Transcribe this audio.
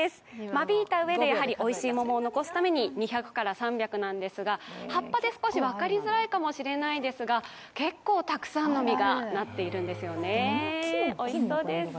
まびいたうえで、やはりおいしい桃を残すために２００３００なんですが、葉っぱで少し分かりづらいかもしれませんが結構たくさんの実がなっているんですよね、おいしそうです。